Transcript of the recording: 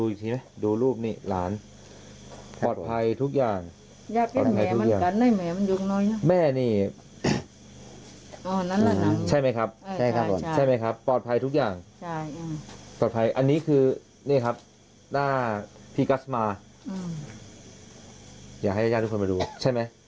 อยากให้แยกทุกคนไปดูใช่ไหม